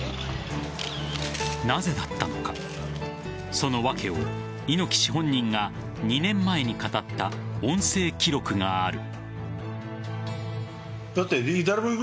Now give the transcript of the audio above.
なぜだったのかその訳を猪木氏本人が２年前に語った音声記録がある。